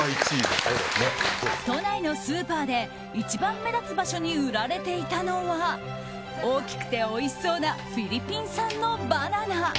都内のスーパーで一番目立つ場所に売られていたのは大きくておいしそうなフィリピン産のバナナ。